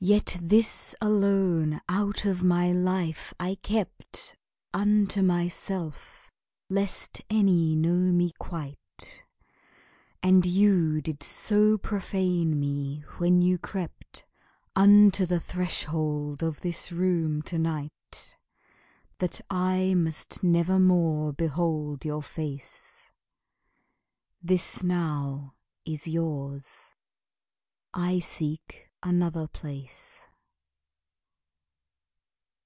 Yet this alone out of my life I kept Unto myself, lest any know me quite; And you did so profane me when you crept Unto the threshold of this room to night That I must never more behold your face. This now is yours. I seek another place.